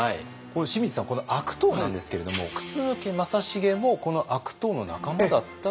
清水さん悪党なんですけれども楠木正成もこの悪党の仲間だった？